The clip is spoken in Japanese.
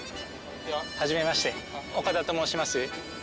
はじめまして岡田と申します。